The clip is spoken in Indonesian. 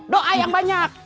doa yang banyak